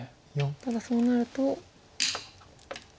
ただそうなると。